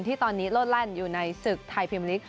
ที่ตอนนี้โลดแล่นอยู่ในศึกไทยพิมพลิก